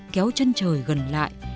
kéo chân trời gần lại